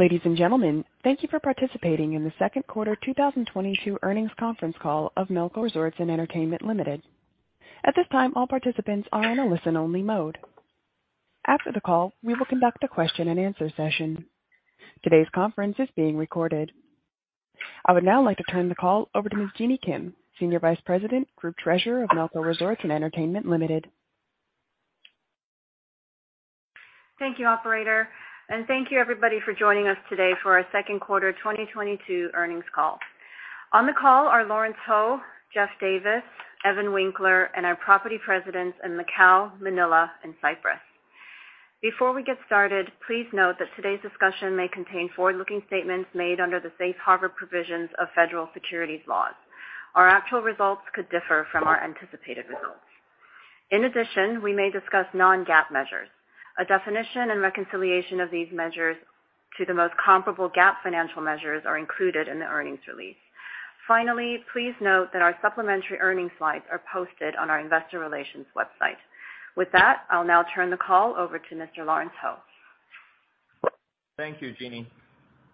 Ladies and gentlemen, thank you for participating in the second quarter 2022 earnings conference call of Melco Resorts & Entertainment Limited. At this time, all participants are in a listen-only mode. After the call, we will conduct a question-and-answer session. Today's conference is being recorded. I would now like to turn the call over to Ms. Jeanny Kim, Senior Vice President, Group Treasurer of Melco Resorts & Entertainment Limited. Thank you Operator, and thank you everybody for joining us today for our second quarter 2022 earnings call. On the call are Lawrence Ho, Geoffrey Davis, Evan Winkler, and our property presidents in Macau, Manila, and Cyprus. Before we get started, please note that today's discussion may contain forward-looking statements made under the safe harbor provisions of federal securities laws. Our actual results could differ from our anticipated results. In addition, we may discuss non-GAAP measures. A definition and reconciliation of these measures to the most comparable GAAP financial measures are included in the earnings release. Finally, please note that our supplementary earnings slides are posted on our investor relations website. With that, I'll now turn the call over to Mr. Lawrence Ho. Thank you Jeanny.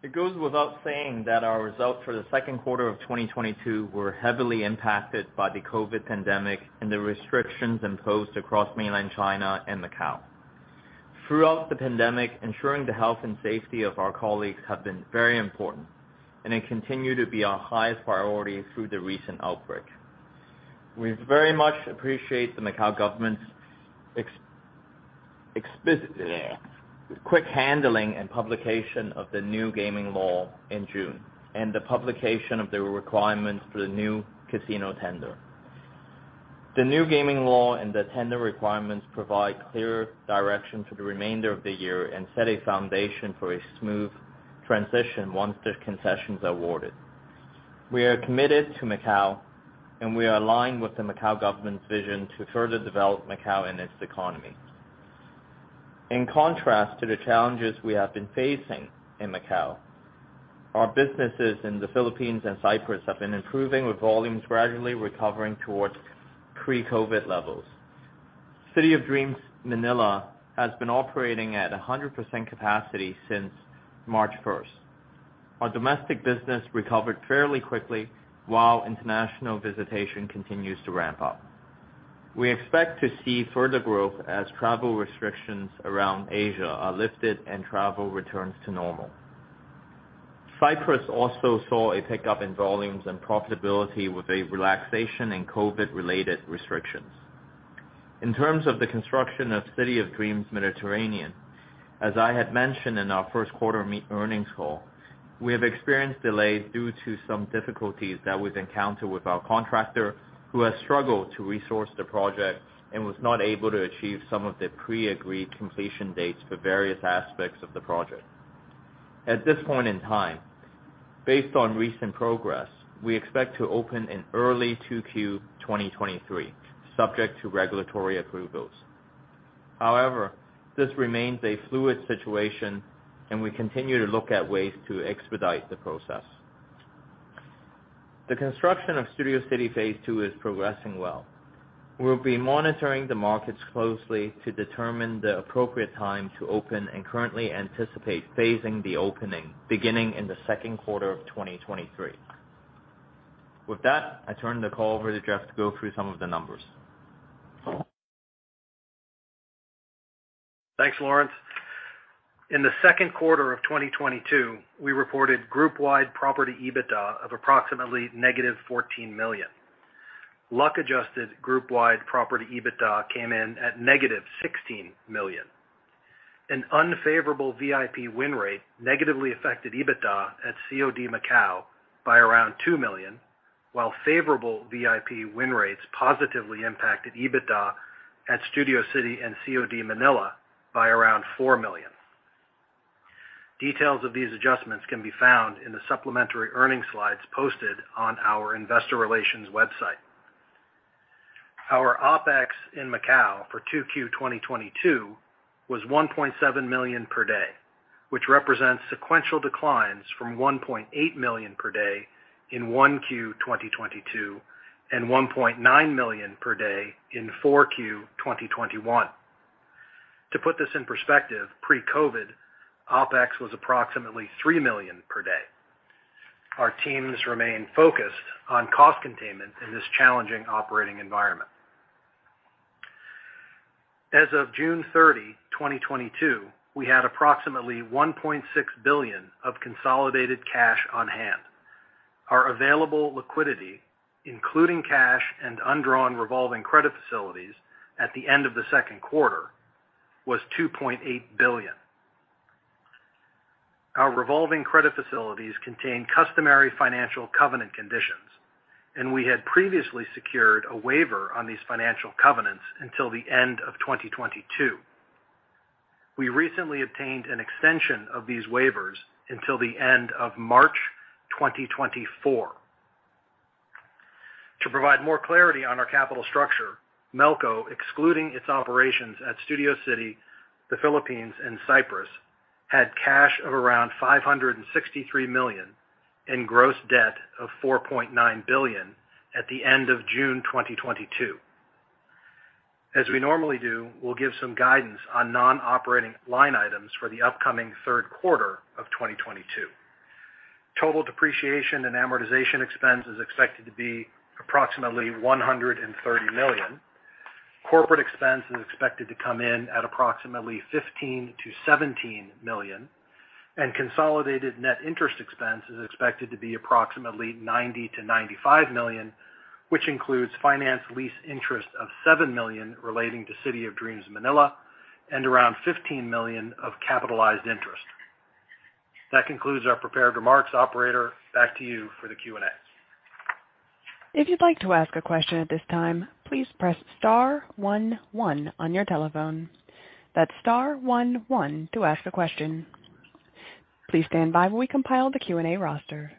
It goes without saying that our results for the second quarter of 2022 were heavily impacted by the COVID pandemic and the restrictions imposed across mainland China and Macau. Throughout the pandemic, ensuring the health and safety of our colleagues have been very important, and it continued to be our highest priority through the recent outbreak. We very much appreciate the Macau government's quick handling and publication of the new gaming law in June, and the publication of the requirements for the new casino tender. The new gaming law and the tender requirements provide clear direction for the remainder of the year and set a foundation for a smooth transition once the concessions are awarded. We are committed to Macau, and we are aligned with the Macau government's vision to further develop Macau and its economy. In contrast to the challenges we have been facing in Macau, our businesses in the Philippines and Cyprus have been improving, with volumes gradually recovering towards pre-COVID levels. City of Dreams Manila has been operating at 100% capacity since March first. Our domestic business recovered fairly quickly, while international visitation continues to ramp up. We expect to see further growth as travel restrictions around Asia are lifted and travel returns to normal. Cyprus also saw a pickup in volumes and profitability with a relaxation in COVID-related restrictions. In terms of the construction of City of Dreams Mediterranean, as I had mentioned in our first quarter earnings call, we have experienced delays due to some difficulties that we've encountered with our contractor, who has struggled to resource the project and was not able to achieve some of the pre-agreed completion dates for various aspects of the project. At this point in time, based on recent progress, we expect to open in early 2Q 2023, subject to regulatory approvals. However, this remains a fluid situation, and we continue to look at ways to expedite the process. The construction of Studio City Phase 2 is progressing well. We'll be monitoring the markets closely to determine the appropriate time to open and currently anticipate phasing the opening beginning in the second quarter of 2023. With that, I turn the call over to Geoff to go through some of the numbers. Thanks Lawrence. In the second quarter of 2022, we reported group-wide property EBITDA of approximately -$14 million. Luck-adjusted group-wide property EBITDA came in at -$16 million. An unfavorable VIP win rate negatively affected EBITDA at COD Macau by around $2 million, while favorable VIP win rates positively impacted EBITDA at Studio City and COD Manila by around $4 million. Details of these adjustments can be found in the supplementary earnings slides posted on our investor relations website. Our OpEx in Macau for 2Q 2022 was $1.7 million per day, which represents sequential declines from $1.8 million per day in 1Q 2022, and $1.9 million per day in 4Q 2021. To put this in perspective, pre-COVID, OpEx was approximately $3 million per day. Our teams remain focused on cost containment in this challenging operating environment. As of June 30, 2022, we had approximately $1.6 billion of consolidated cash on hand. Our available liquidity, including cash and undrawn revolving credit facilities at the end of the second quarter, was $2.8 billion. Our revolving credit facilities contain customary financial covenant conditions, and we had previously secured a waiver on these financial covenants until the end of 2022. We recently obtained an extension of these waivers until the end of March 2024. To provide more clarity on our capital structure, Melco, excluding its operations at Studio City, the Philippines, and Cyprus, had cash of around $563 million and gross debt of $4.9 billion at the end of June 2022. As we normally do, we'll give some guidance on non-operating line items for the upcoming third quarter of 2022. Total depreciation and amortization expense is expected to be approximately $130 million. Corporate expense is expected to come in at approximately $15-$17 million, and consolidated net interest expense is expected to be approximately $90-$95 million, which includes finance lease interest of $7 million relating to City of Dreams Manila and around $15 million of capitalized interest. That concludes our prepared remarks. Operator, back to you for the Q&A. If you'd like to ask a question at this time, please press star one one on your telephone. That's star one one to ask a question. Please stand by while we compile the Q&A roster.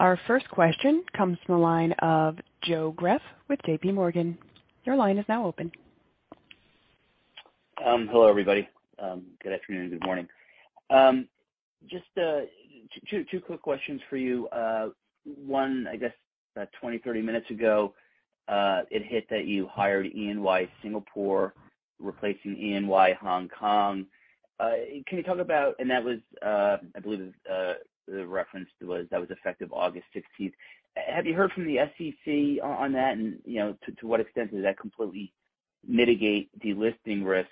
Our first question comes from the line of Joe Greff with JPMorgan. Your line is now open. Hello everybody. Good afternoon. Good morning. Just two quick questions for you. One, I guess about 20-30 minutes ago, it hit that you hired E&Y Singapore replacing E&Y Hong Kong. Can you talk about that? That was, I believe, effective August 16. Have you heard from the SEC on that? You know, to what extent does that completely mitigate delisting risk,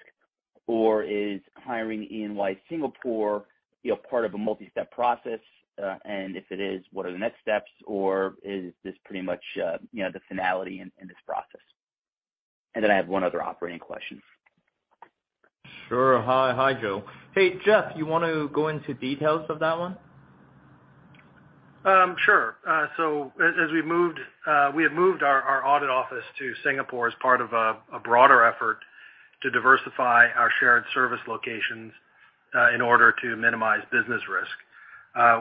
or is hiring E&Y Singapore, you know, part of a multi-step process? If it is, what are the next steps, or is this pretty much, you know, the finality in this process? Then I have one other operating question. Sure. Hi. Hi Joe. Hey Geoff you want to go into details of that one? Sure. As we moved, we have moved our audit office to Singapore as part of a broader effort to diversify our shared service locations in order to minimize business risk.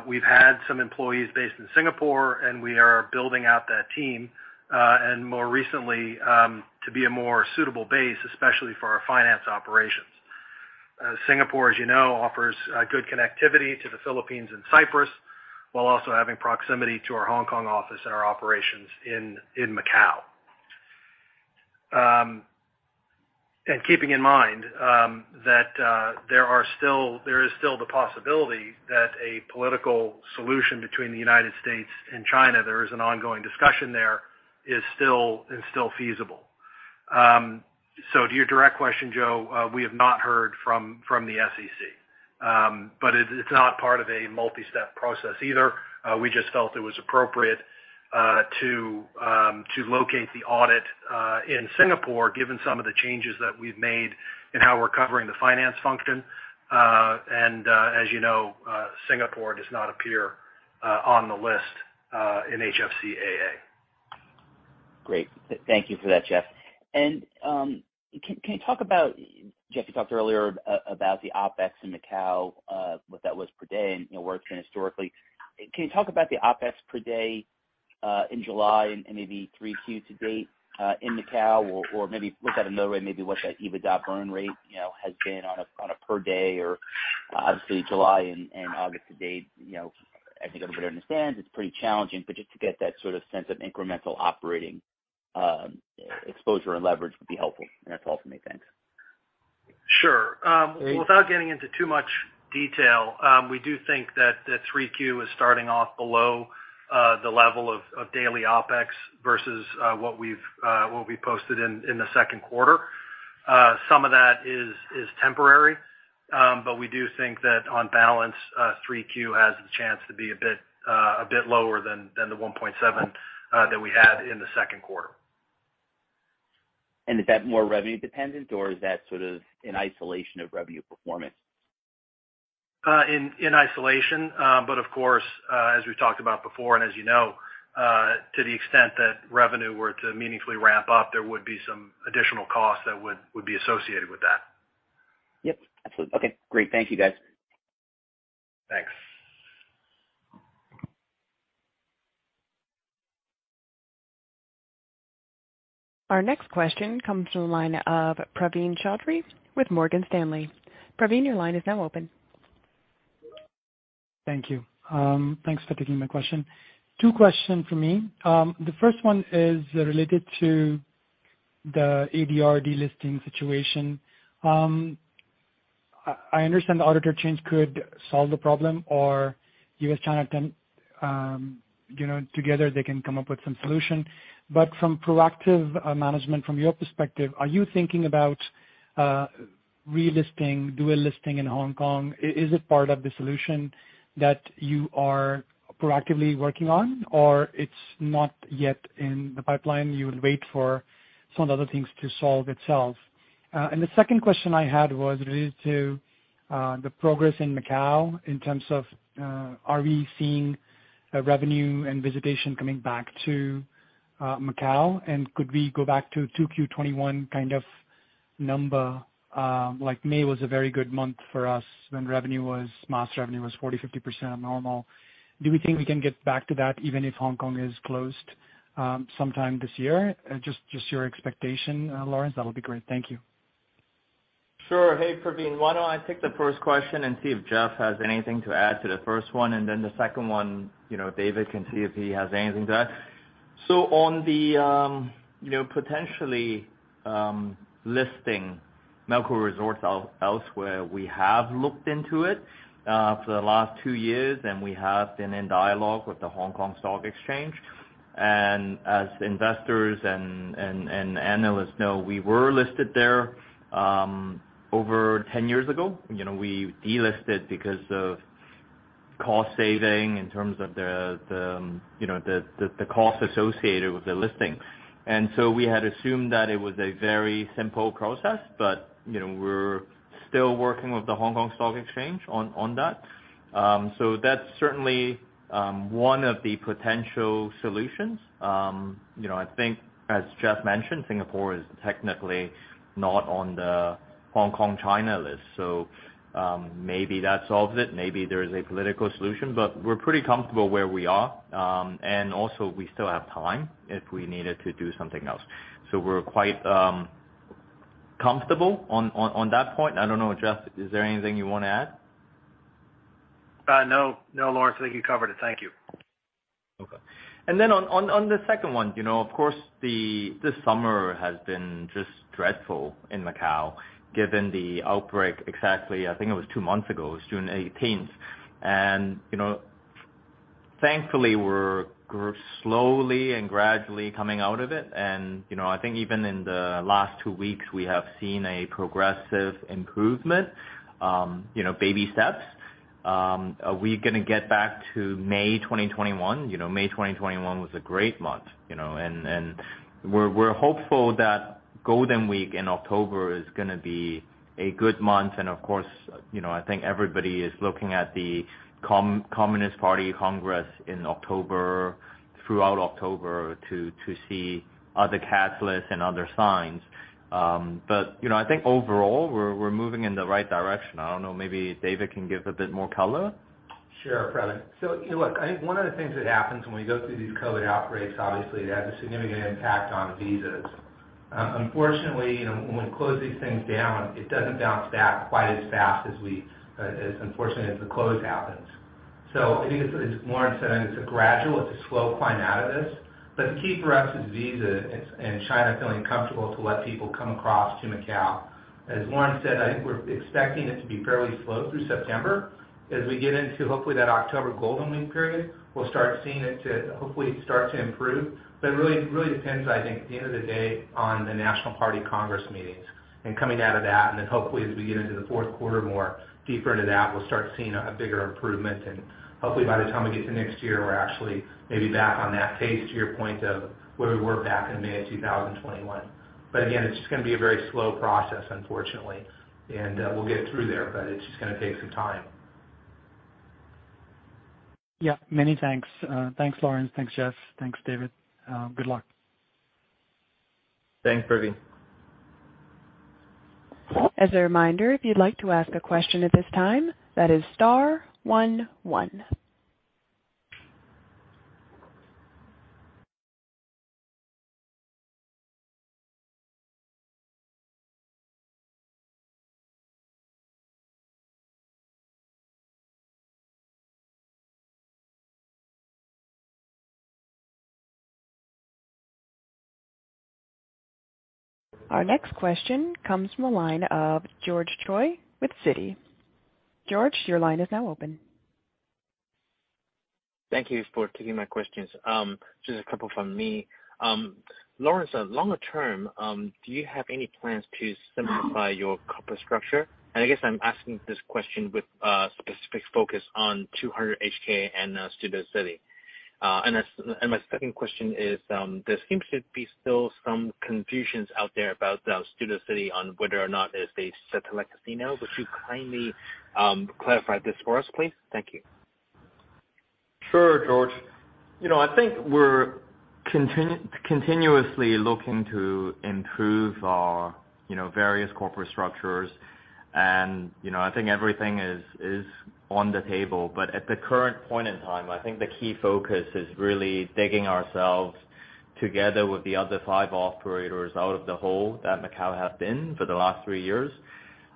We've had some employees based in Singapore, and we are building out that team and more recently to be a more suitable base, especially for our finance operations. Singapore, as you know, offers good connectivity to the Philippines and Cyprus, while also having proximity to our Hong Kong office and our operations in Macau. Keeping in mind that there is still the possibility that a political solution between the United States and China, there is an ongoing discussion there, is still feasible. To your direct question, Joe, we have not heard from the SEC. It's not part of a multi-step process either. We just felt it was appropriate to locate the audit in Singapore, given some of the changes that we've made in how we're covering the finance function. As you know, Singapore does not appear on the list in HFCAA. Great thank you for that Geoff. Geoff, you talked earlier about the OpEx in Macau, what that was per day and, you know, where it's been historically. Can you talk about the OpEx per day in July and maybe 3Q to date in Macau? Or maybe look at it another way, maybe what that EBITDA burn rate, you know, has been on a per day or obviously July and August to date. You know, I think everybody understands it's pretty challenging, but just to get that sort of sense of incremental operating exposure and leverage would be helpful. That's all for me. Thanks. Sure. Without getting into too much detail, we do think that the 3Q is starting off below the level of daily OpEx versus what we posted in the second quarter. Some of that is temporary. We do think that on balance, 3Q has the chance to be a bit lower than the 1.7 that we had in the second quarter. Is that more revenue dependent or is that sort of in isolation of revenue performance? In isolation. Of course, as we've talked about before and as you know, to the extent that revenue were to meaningfully ramp up, there would be some additional costs that would be associated with that. Yep. Absolutely. Okay, great. Thank you, guys. Thanks. Our next question comes from the line of Praveen Choudhary with Morgan Stanley. Praveen, your line is now open. Thank you. Thanks for taking my question. Two questions from me. The first one is related to the ADR delisting situation. I understand the auditor change could solve the problem or U.S., China can, you know, together, they can come up with some solution. From proactive management, from your perspective, are you thinking about relisting, dual listing in Hong Kong? Is it part of the solution that you are proactively working on or it's not yet in the pipeline, you will wait for some of the other things to solve itself? The second question I had was related to the progress in Macau in terms of, are we seeing revenue and visitation coming back to Macau? Could we go back to 2Q 2021 kind of number, like May was a very good month for us when mass revenue was 40, 50% of normal. Do we think we can get back to that even if Hong Kong is closed sometime this year? Just your expectation, Lawrence, that'll be great. Thank you. Sure. Hey Praveen why don't I take the first question and see if Geoff has anything to add to the first one, and then the second one, you know, David can see if he has anything to that. On the potentially listing Melco Resorts & Entertainment elsewhere, we have looked into it for the last two years, and we have been in dialogue with the Stock Exchange of Hong Kong. As investors and analysts know, we were listed there over 10 years ago. You know, we delisted because of cost saving in terms of the cost associated with the listing. We had assumed that it was a very simple process, but, you know, we're still working with the Stock Exchange of Hong Kong on that. That's certainly one of the potential solutions. You know I think as Geoff mentioned, Singapore is technically not on the Hong Kong, China list. Maybe that solves it, maybe there is a political solution, but we're pretty comfortable where we are, and also we still have time if we needed to do something else. We're quite comfortable on that point. I don't know. Geoff, is there anything you wanna add? No. No Lawrence I think you covered it. Thank you. Okay. Then on the second one, you know, of course, this summer has been just dreadful in Macau, given the outbreak exactly. I think it was two months ago. It was June eighteenth. You know, thankfully, we're slowly and gradually coming out of it. You know, I think even in the last two weeks, we have seen a progressive improvement, you know, baby steps. Are we gonna get back to May 2021? You know, May 2021 was a great month, you know. We're hopeful that Golden Week in October is gonna be a good month. Of course, you know, I think everybody is looking at the Communist Party Congress in October, throughout October to see other catalysts and other signs. You know, I think overall, we're moving in the right direction. I don't know maybe David can give a bit more color. Sure Praveen. Look I think one of the things that happens when we go through these COVID outbreaks, obviously, it has a significant impact on visas. Unfortunately, you know, when we close these things down, it doesn't bounce back quite as fast as, unfortunately, the close happens. I think as Lawrence said, it's a gradual slow climb out of this. The key for us is visa and China feeling comfortable to let people come across to Macau. As Lawrence said, I think we're expecting it to be fairly slow through September. As we get into hopefully that October Golden Week period, we'll start seeing it to hopefully start to improve. It really really depends, I think, at the end of the day, on the National Congress of the Chinese Communist Party meetings and coming out of that, and then hopefully, as we get into the fourth quarter, more deeper into that, we'll start seeing a bigger improvement. Hopefully, by the time we get to next year, we're actually maybe back on that pace to your point of where we were back in May 2021. Again, it's just gonna be a very slow process, unfortunately. We'll get through there, but it's just gonna take some time. Yeah many thanks. Thanks, Lawrence. Thanks, Geoff. Thanks, David. Good luck. Thanks Praveen. As a reminder, if you'd like to ask a question at this time, that is star one one. Our next question comes from the line of George Choi with Citi. George, your line is now open. Thank you for taking my questions. Just a couple from me. Lawrence, longer term, do you have any plans to simplify your corporate structure? I guess I'm asking this question with specific focus on 200 HK and Studio City. My second question is, there seems to be still some confusion out there about the Studio City on whether or not it is a satellite casino. Would you kindly clarify this for us, please? Thank you. Sure George. You know, I think we're continuously looking to improve our, you know, various corporate structures, and, you know, I think everything is on the table. At the current point in time, I think the key focus is really digging ourselves together with the other five operators out of the hole that Macau has been for the last three years.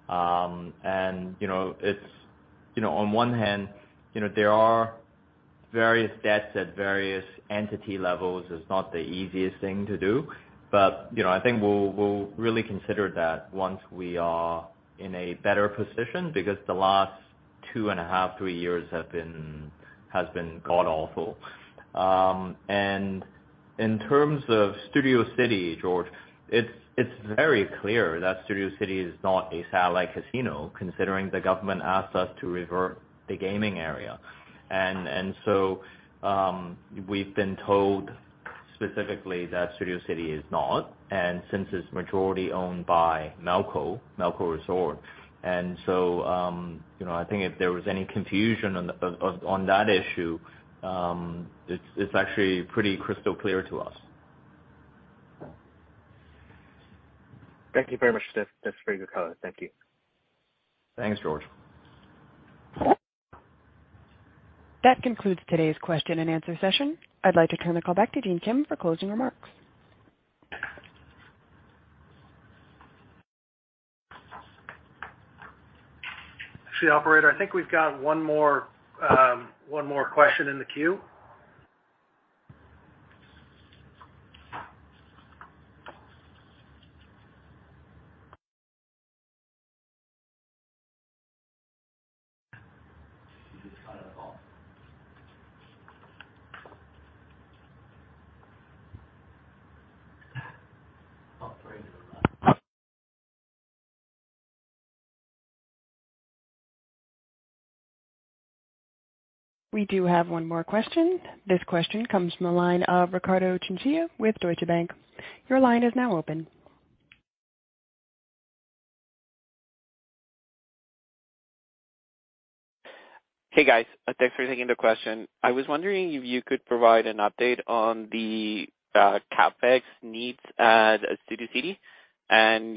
You know, it's, you know, on one hand, you know, there are various debts at various entity levels. It's not the easiest thing to do. You know, I think we'll really consider that once we are in a better position because the last two and a half, three years has been god-awful. In terms of Studio City, George, it's very clear that Studio City is not a satellite casino, considering the government asked us to revert the gaming area. We've been told specifically that Studio City is not, and since it's majority owned by Melco Resorts. You know, I think if there was any confusion on that issue, it's actually pretty crystal clear to us. Thank you very much, Geoff. That's a very good color. Thank you. Thanks George. That concludes today's question and answer session. I'd like to turn the call back to Jeanny Kim for closing remarks. Actually, operator, I think we've got one more question in the queue. We do have one more question. This question comes from the line of Ricardo Chinchilla with Deutsche Bank. Your line is now open. Hey guys. Thanks for taking the question. I was wondering if you could provide an update on the CapEx needs at Studio City and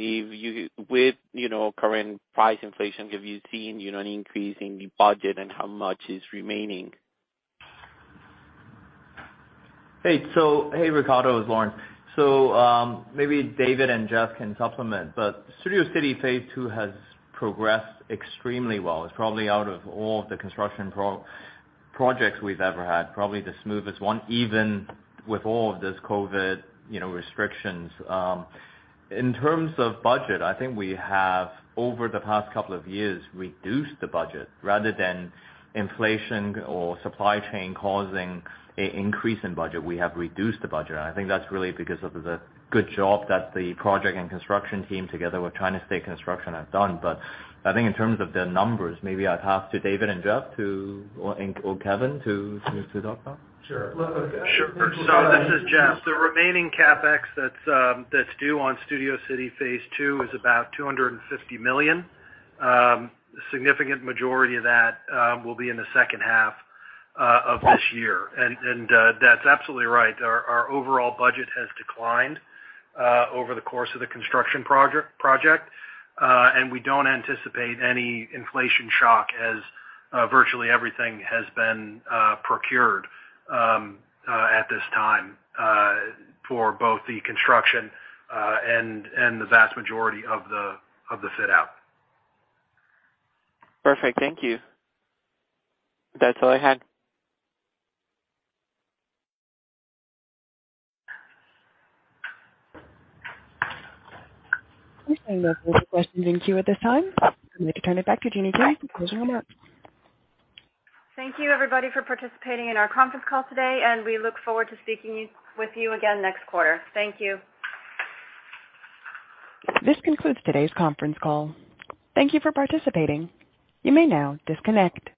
with, you know, current price inflation, have you seen, you know, an increase in the budget and how much is remaining? Hey. Hey Ricardo it's Lawrence. Maybe David and Geoff can supplement, but Studio City Phase 2 has progressed extremely well. It's probably out of all the construction projects we've ever had, probably the smoothest one, even with all of this COVID, you know, restrictions. In terms of budget, I think we have, over the past couple of years, reduced the budget. Rather than inflation or supply chain causing an increase in budget, we have reduced the budget. I think that's really because of the good job that the project and construction team together with China State Construction have done. I think in terms of the numbers, maybe I'd pass to David and Geoff, or Kevin to talk about. Sure. Okay. Sure. So this is Geoff. The remaining CapEx that's due on Studio City Phase 2 is about $250 million. Significant majority of that will be in the second half of this year. That's absolutely right. Our overall budget has declined over the course of the construction project, and we don't anticipate any inflation shock as virtually everything has been procured at this time for both the construction and the vast majority of the fit out. Perfect. Thank you. That's all I had. I'm showing no further questions in queue at this time. I'd like to turn it back to Jeanny Kim for closing remarks. Thank you everybody for participating in our conference call today, and we look forward to speaking with you again next quarter. Thank you. This concludes today's conference call. Thank you for participating. You may now disconnect.